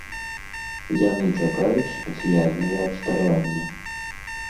Яны чакаюць спецыяльнае абсталяванне.